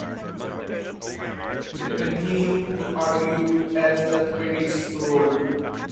They continue to argue as the credits roll.